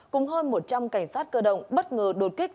cùng hơn một trăm linh cảnh sát cơ động bất ngờ đột kích